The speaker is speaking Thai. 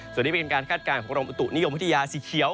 ส่วนนี้เป็นการคาดการณ์ของกรมอุตุนิยมวิทยาสีเขียว